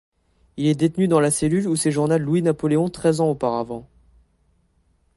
Il est détenu dans la cellule où séjourna Louis Napoléon treize ans auparavant.